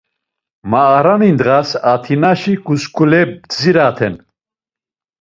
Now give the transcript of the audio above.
Maarani ndğas Atinaşi ǩizǩule bdziraten.